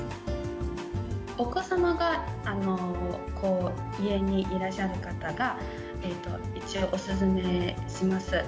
お子様が家にいらっしゃる方が一応、お勧めします。